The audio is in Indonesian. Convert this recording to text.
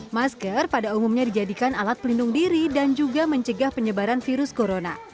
masker pada umumnya dijadikan alat pelindung diri dan juga mencegah penyebaran virus corona